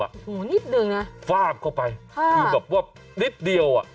โอ้โหนิดนึงนะฟาบเข้าไปคือแบบว่านิดเดียวอ่ะ